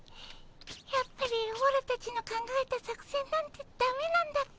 やっぱりオラたちの考えた作戦なんてだめなんだっ